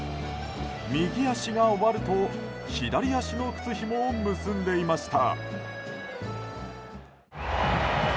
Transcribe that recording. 右足が終わると左足の靴ひもを結んでいました。